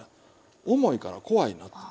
重いから怖いなと。